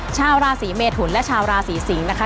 ชาวราศรีเมษหุ่นและชาวราศรีสิงนะคะ